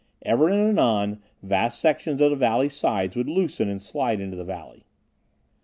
Ever and anon vast sections of the mountain sides would loosen and slide into the valley.